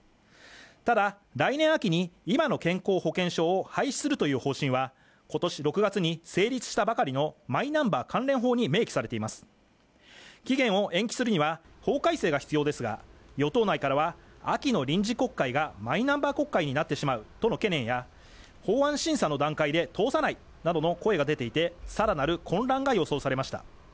ただ来年秋に今の健康保険証を廃止するという方針は今年６月に成立したばかりのマイナンバー関連法に明記されています期限を延期するには法改正が必要ですが与党内からは秋の臨時国会がマイナンバー国会になってしまうとの懸念や法案審査の段階で通さないなどの声が出ていてさらなる混乱が予想されました